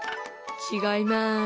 違います。